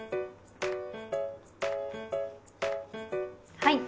はい。